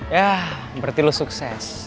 yah berarti lo sukses